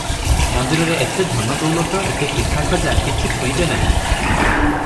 ମନ୍ଦିରରେ ଏତେ ଧନ ଦୌଲତ, ଏତେ ପିଠା ଖଜା କିଛି ଛୁଇଁବେ ନାହିଁ ।